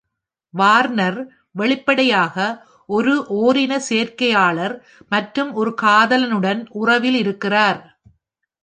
Warner வெளிப்படையாக ஒரு ஓரின சேர்க்கையாளர் மற்றும் ஒரு காதலனுடன் உறவில் இருக்கிறார்.